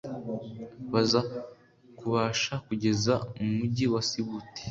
baza kubasha kugera mu Mujyi wa Sibut